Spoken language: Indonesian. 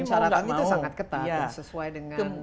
persyaratan itu sangat ketat sesuai dengan